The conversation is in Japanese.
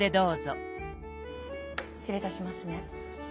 失礼いたしますね。